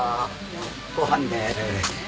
ご飯です。